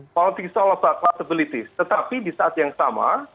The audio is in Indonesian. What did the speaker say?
politik seolah olah kemungkinan tetapi di saat yang sama